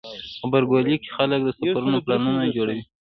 غبرګولی کې خلک د سفرونو پلانونه جوړوي.